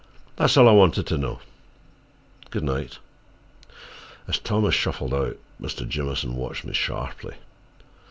"That's all I wanted to know. Good night." As Thomas shuffled out, Mr. Jamieson watched me sharply.